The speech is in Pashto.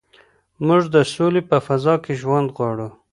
موږ د سولې په فضا کي ژوند غواړو.